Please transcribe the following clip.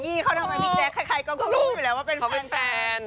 ขยี้เขานะพี่แจ๊กใครก็รู้อยู่แล้วว่าเป็นแฟน